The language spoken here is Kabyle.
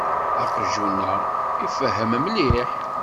Aqjun-a ifehhem mliḥ.